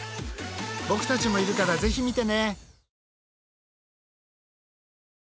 ボクたちもいるからぜひ見てね。